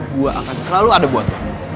gue akan selalu ada buat lo